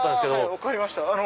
分かりました